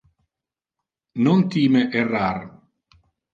Non time errar.